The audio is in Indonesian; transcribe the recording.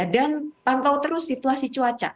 dan pantau terus situasi cuaca